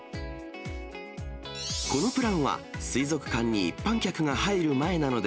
このプランは、水族館に一般客が入る前なので、